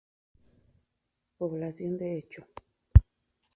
Población de hecho.